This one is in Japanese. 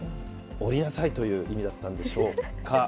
降りなさいという意味だったんでしょうか。